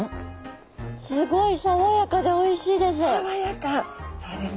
すごい爽やかでおいしいです。